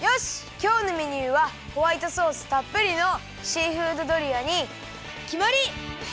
きょうのメニューはホワイトソースたっぷりのシーフードドリアにきまり！